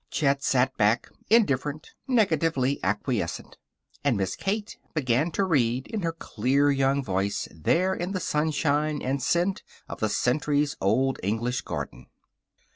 Chet sat back, indifferent, negatively acquiescent. And Miss Kate began to read in her clear young voice, there in the sunshine and scent of the centuries old English garden.